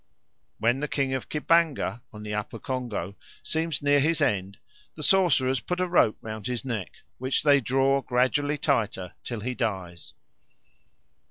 When the king of Kibanga, on the Upper Congo, seems near his end, the sorcerers put a rope round his neck, which they draw gradually tighter till he dies.